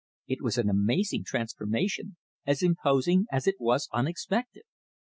It was an amazing transformation, as imposing as it was unexpected.